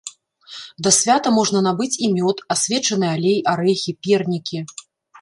Да свята можна набыць і мёд, асвечаны алей, арэхі, пернікі.